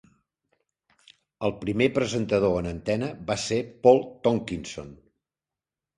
El primer presentador en antena va ser Paul Tonkinson.